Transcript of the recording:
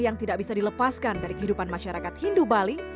yang tidak bisa dilepaskan dari kehidupan masyarakat hindu bali